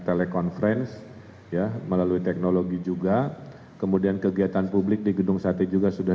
telekonferensi ya melalui teknologi juga kemudian kegiatan publik di gedung sate juga sudah